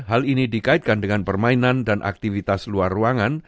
hal ini dikaitkan dengan permainan dan aktivitas luar ruangan